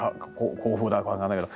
「恒風」だとか分かんないけど。